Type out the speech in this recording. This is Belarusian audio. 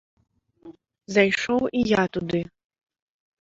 Зайшоў і я туды.